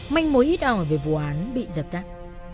manh mối ít ảo về vụ án bị giập tắt